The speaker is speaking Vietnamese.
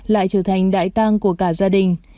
lại trở thành đại tăng của cả gia đình